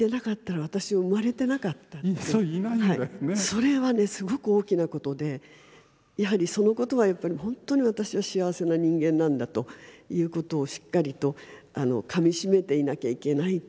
それはねすごく大きなことでやはりそのことはやっぱり本当に私は幸せな人間なんだということをしっかりとかみしめていなきゃいけない。